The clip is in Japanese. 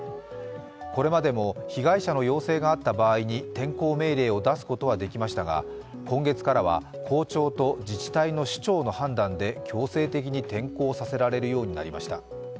これまでも被害者の要請があった場合に転校命令を出すことはできましたが、今月からは校長と自治体の首長の判断で強制的に転校させられるようになりました。